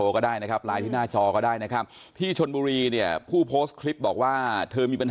ขอว่าจะยิงเนี่ยจะยิงปือเนี่ยใส่ปากเธอเลย